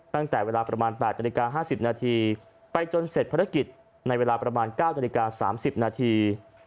ตั้งแต่เวลาประมาณ๘นาฬิกา๕๐นาทีไปจนเสร็จภารกิจในเวลาประมาณ๙นาฬิกา๓๐นาที